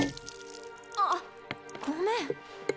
あ！ごめん。